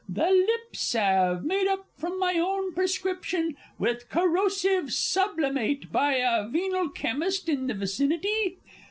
The lip salve, made up from my own prescription with corrosive sublimate by a venal chemist in the vicinity?